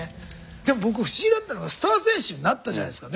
でも僕不思議だったのはスター選手になったじゃないですか。